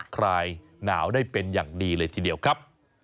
คลายหนาวได้เป็นอย่างดีเลยทีเดียวครับ